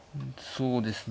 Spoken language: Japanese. そうですね。